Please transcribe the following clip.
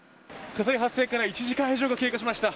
火災発生から１時間以上が経過しました。